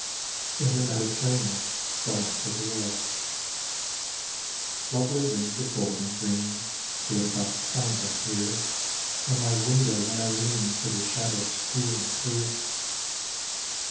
IN THE MEDITERRANEAN — GOING TO THE WAR Lovely wings of gold and green Flit about the sounds I hear, On my window when I lean To the shadows cool and clear.